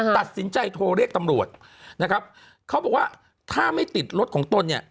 ตัดสินใจโทรเรียกตำรวจนะครับเขาบอกว่าถ้าไม่ติดรถของตนเนี่ย